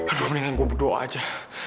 aduh mendingan gue berdoa aja